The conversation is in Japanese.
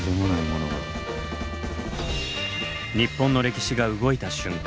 日本の歴史が動いた瞬間。